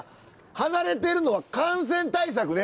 離れてるのは感染対策ね。